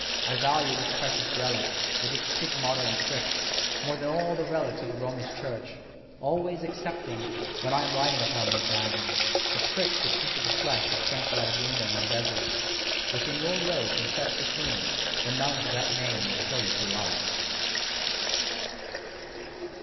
I value this precious relick, with its stigmata and pricks, more than all the relicks of the Romish church——always excepting, when I am writing upon these matters, the pricks which entered the flesh of St. Radagunda in the desert, which in your road from FESSE to CLUNY, the nuns of that name will shew you for love.